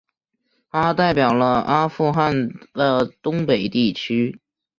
他代表了阿富汗的东北地区。